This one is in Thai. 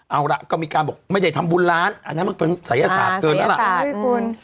เอาล่ะก็มีการบอกไม่ได้ทำบุญร้านอันนั้นมันเป็นสยะสาดเกินมากลงอ่าสยสาดอืม